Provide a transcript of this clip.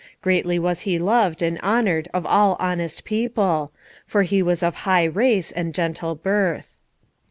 Greatly was he loved and honoured of all honest people, for he was of high race and gentle birth.